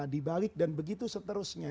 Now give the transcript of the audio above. dibalik dan begitu seterusnya